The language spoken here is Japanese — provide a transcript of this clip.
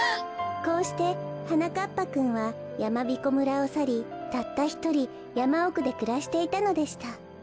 こうしてはなかっぱくんはやまびこ村をさりたったひとりやまおくでくらしていたのでした。